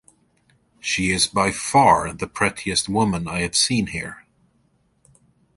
She is by far the prettiest woman I have seen here.